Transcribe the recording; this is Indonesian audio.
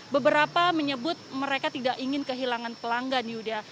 beberapa menyebut mereka tidak ingin kehilangan pelanggan yuda